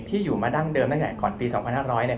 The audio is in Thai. ที่อยู่มาดั้งเดิมตั้งแต่ก่อนปี๒๕๐๐เนี่ย